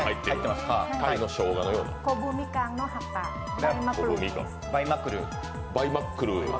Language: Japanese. こぶみかんの葉っぱ、バイマックルー。